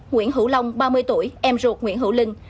nguyễn hữu long